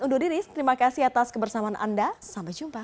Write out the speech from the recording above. donduriris terima kasih atas kebersamaan anda sampai jumpa